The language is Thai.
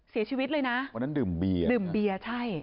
เสียชีวิตเลยนะวันนั้นดื่มเบียร์ดื่มเบียร์ใช่